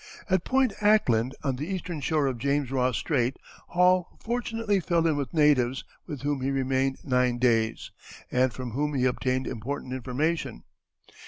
At Point Ackland, on the eastern shore of James Ross Strait, Hall fortunately fell in with natives, with whom he remained nine days, and from whom he obtained important information.